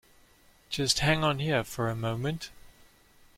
Just hang on here for a moment.